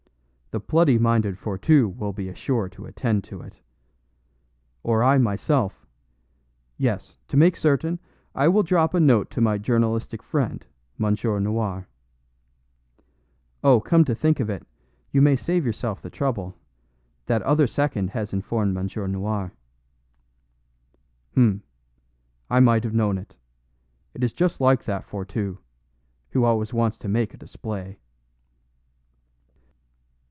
The bloody minded Fourtou will be sure to attend to it. Or I myself yes, to make certain, I will drop a note to my journalistic friend, M. Noir " "Oh, come to think of it, you may save yourself the trouble; that other second has informed M. Noir." "H'm! I might have known it. It is just like that Fourtou, who always wants to make a display."